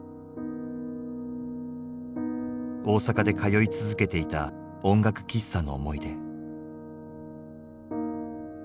大阪で通い続けていた音楽喫茶の思い出。